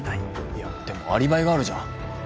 いやでもアリバイがあるじゃん。